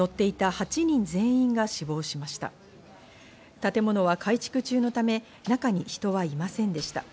建物は改築中のため、中に人はいませんでした。